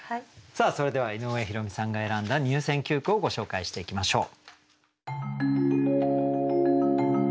さあそれでは井上弘美さんが選んだ入選九句をご紹介していきましょう。